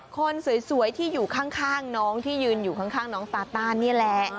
คนสวยที่อยู่ข้างน้องที่ยืนอยู่ข้างน้องตาต้านี่แหละ